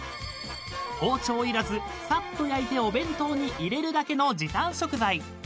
［包丁いらずさっと焼いてお弁当に入れるだけの］